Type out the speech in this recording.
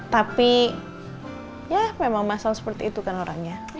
tapi ya memang mas lel seperti itu kan orangnya